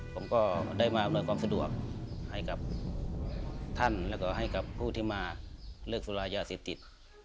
ผมก็ได้มาอำนวยความสะดวกให้กับท่านแล้วก็ให้กับผู้ที่มาเลิกสุรายาเสพติด